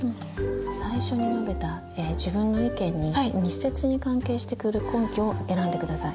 最初に述べた自分の意見に密接に関係してくる根拠を選んで下さい。